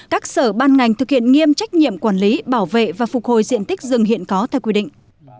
các sở ban ngành thực hiện nghiêm trách nhiệm quản lý bảo vệ và phục hồi diện tích rừng hiện có theo quy định